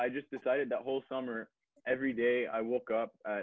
jadi saya hanya memutuskan selama musim itu